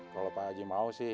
kalau pak haji mau sih